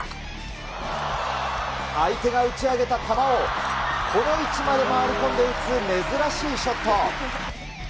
相手が打ち上げた球を、この位置まで回り込んで打つ珍しいショット。